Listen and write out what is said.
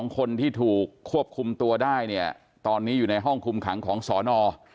คนที่ถูกควบคุมตัวได้เนี่ยตอนนี้อยู่ในห้องคุมขังของสอนอ